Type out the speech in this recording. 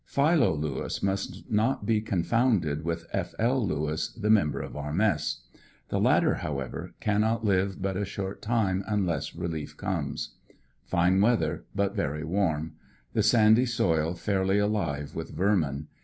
Philo Lewis must not be confounded with F. L. Lewis, the mem ber of our mess. The latter, however, cannot live but a short time ANDER80NYILLE DIART. 59 unless relief comes. Fine weather but very warm. The sandy soil fairly alive with vermin.